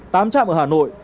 tám trạm ở hà nội